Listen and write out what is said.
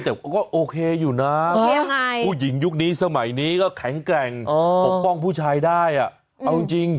แต่ก็โอเคอยู่นะผู้หญิงยุคนี้สมัยนี้ก็แข็งแกร่งปกป้องผู้ชายได้เอาจริง